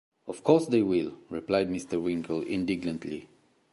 ‘Of course they will,’ replied Mr. Winkle indignantly.